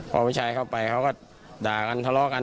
พอผู้ชายเข้าไปเขาก็ด่ากันทะเลาะกัน